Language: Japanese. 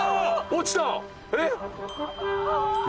落ちた！えっ！？